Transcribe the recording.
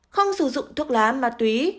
không sử dụng thuốc lá ma túy